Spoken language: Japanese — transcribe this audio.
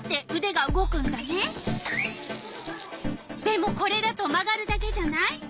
でもこれだと曲がるだけじゃない？